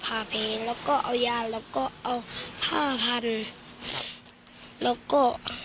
พาไปแล้วก็เอายาแล้วก็เอาห้าพันแล้วก็